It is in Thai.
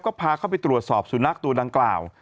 ก็พาเข้าไปตรวจสอบสุนัขตัวดังกล่าว